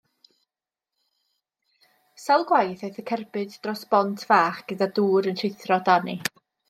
Sawl gwaith aeth y cerbyd dros bont fach gyda dŵr yn rhuthro dani.